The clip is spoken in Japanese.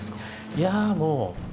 いやもう。